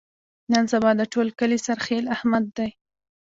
نن سبا د ټول کلي سرخیل احمد دی.